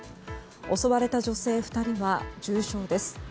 襲われた女性２人は重傷です。